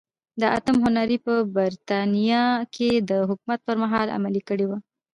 د اتم هنري په برېټانیا کې د حکومت پرمهال عملي کړې وه.